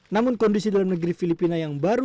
namun kondisi dalam negeri filipina yang baru